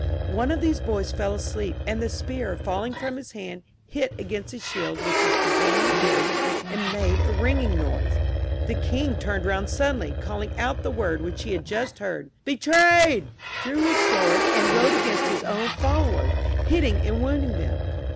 One of these boys fell asleep, and the spear falling from his hand, hit against the shield which his companion carried, and made a ringing noise. The king turned round suddenly, calling out the word which he had just heard —" Betrayed !"— drew his sword, and rode against his own followers, hitting and wounding them.